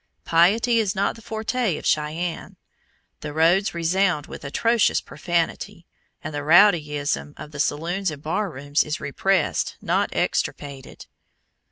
Piety is not the forte of Cheyenne. The roads resound with atrocious profanity, and the rowdyism of the saloons and bar rooms is repressed, not extirpated.